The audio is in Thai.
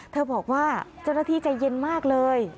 บอกว่าเจ้าหน้าที่ใจเย็นมากเลย